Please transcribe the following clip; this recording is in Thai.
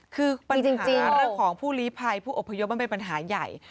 คือปัญหาของผู้ลี้ภัยผู้อบพยพมันเป็นปัญหาใหญ่